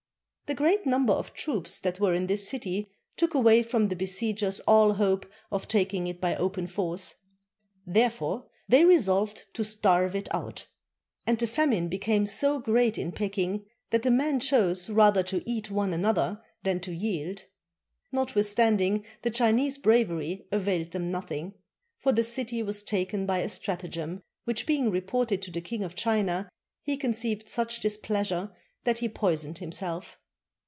The great number of troops that were in this city took away from the besiegers all hope of taking it by open force; therefore they resolved to starve it out; and the famine became so great in Peking that the men chose rather to eat one another than to jield. Notwithstand ing, the Chinese bravery availed them nothing, for the city was taken by a stratagem, which being reported to the King of China, he conceived such displeasure that he poisoned himself.